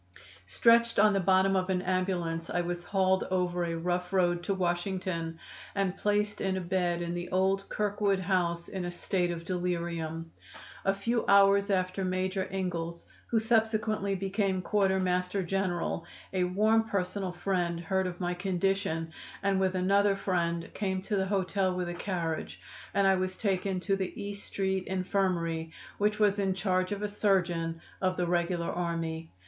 Stretched on the bottom of an ambulance I was hauled over a rough road to Washington and placed in a bed in the old Kirkwood House in a state of delirium. A few hours after Major Ingalls, who subsequently became Quarter Master General, a warm personal friend, heard of my condition, and with another friend came to the hotel with a carriage, and I was taken to the E Street Infirmary, which was in charge of a surgeon of the regular army.